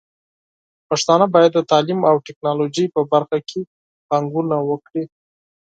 پښتانه بايد د تعليم او ټکنالوژۍ په برخه کې پانګونه وکړي.